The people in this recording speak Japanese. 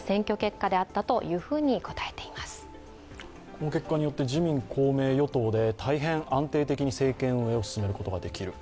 この結果によって、自民・公明与党で大変安定的に政権を進めることができる。